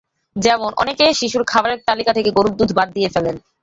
যেমন, অনেকে শিশুর খাবারের তালিকা থেকে গরুর দুধ বাদ দিয়ে ফেলেন।